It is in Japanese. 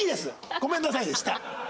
ごめんなさいでした！